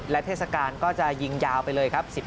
และเทศกาลก็จะยิงยาวไปเลยครับ